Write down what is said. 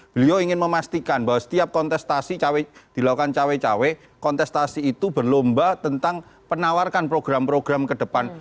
beliau ingin memastikan bahwa setiap kontestasi dilakukan cawe cawe kontestasi itu berlomba tentang penawarkan program program ke depan